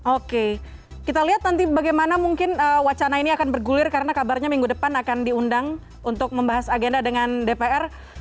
oke kita lihat nanti bagaimana mungkin wacana ini akan bergulir karena kabarnya minggu depan akan diundang untuk membahas agenda dengan dpr